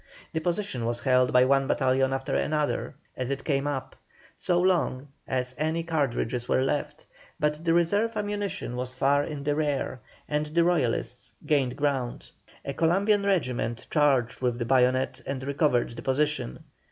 The position was held by one battalion after another, as it came up, so long as any cartridges were left, but the reserve ammunition was far in the rear, and the Royalists gained ground. A Columbian regiment charged with the bayonet and recovered the position.